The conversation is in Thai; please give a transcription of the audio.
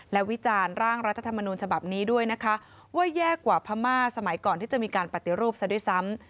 และวิจารณ์ร่างรัฐธรรมนูญฉบับนี้ด้วยนะคะว่าแย่กว่าพม่าสมัยก่อนที่จะมีการปฏิรูปซะด้วยซ้ำ